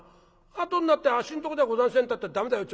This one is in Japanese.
後になって『あっしんとこではございせん』たって駄目だよ